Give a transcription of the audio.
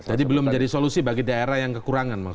jadi belum menjadi solusi bagi daerah yang kekurangan